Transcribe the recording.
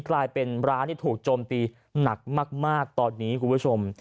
กลายเป็นร้านที่ถูกโจมตีหนักมากตอนนี้คุณผู้ชม